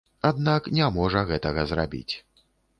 Аднак не можа гэтага зрабіць.